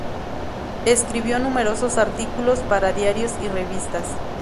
Escribió numerosos artículos para diarios y revistas.